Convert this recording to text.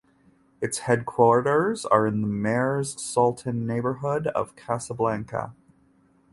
Its headquarters are in the Mers Sultan neighborhood of Casablanca.